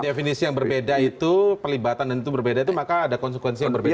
definisi yang berbeda itu pelibatan dan itu berbeda itu maka ada konsekuensi yang berbeda